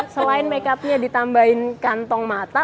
selain makeupnya ditambahin kantong mata